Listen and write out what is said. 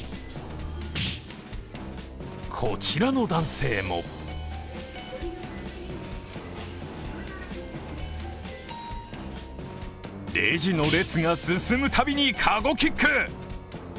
こちらの男性もレジの列が進むたびにカゴキック。